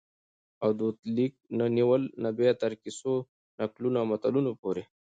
او دود لیک نه نیولي بیا تر کیسو ، نکلو او متلونو پوري